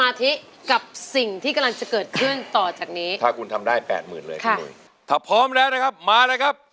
มารุธิคีจะเปลี่ยนหรือไม่เปลี่ยนครับ